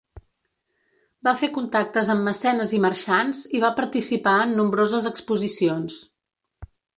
Va fer contactes amb mecenes i marxants i va participar en nombroses exposicions.